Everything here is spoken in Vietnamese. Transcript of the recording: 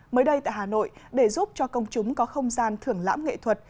mới đây tại hà nội để giúp cho công chúng có không gian thưởng lãm nghệ thuật